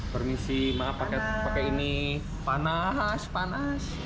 permisi maaf pakai ini panas panas